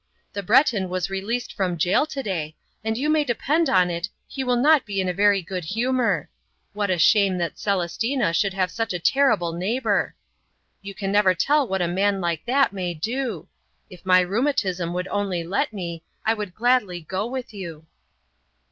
"The Breton was released from jail today, and you may depend on it he will not be in a very good humor. What a shame that Celestina should have such a terrible neighbor. You can never tell what a man like that may do. If my rheumatism would only let me, I would gladly go with you."